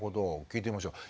聞いてみましょう。